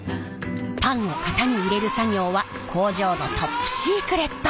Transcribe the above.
パンを型に入れる作業は工場のトップシークレット！